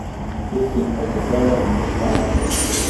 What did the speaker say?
Ur ken-mazal ara d imecṭaḥ am zik.